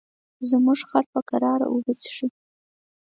زموږ خر په کراره اوبه څښي.